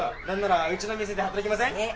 何ならうちの店で働きません？